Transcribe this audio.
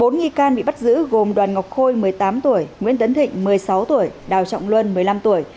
bốn nghi can bị bắt giữ gồm đoàn ngọc khôi một mươi tám tuổi nguyễn tấn thịnh một mươi sáu tuổi đào trọng luân một mươi năm tuổi